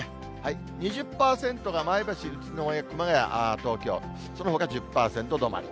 ２０％が前橋、宇都宮、熊谷、東京、そのほか１０％止まり。